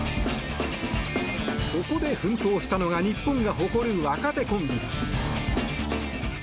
そこで奮闘したのが日本が誇る若手コンビ。